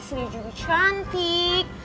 silla juga cantik